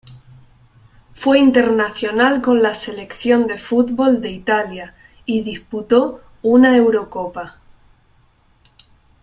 Fue internacional con la selección de fútbol de Italia y disputó una Eurocopa.